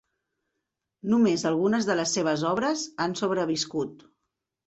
Només algunes de les seves obres han sobreviscut.